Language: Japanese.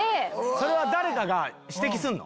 それは誰かが指摘するの？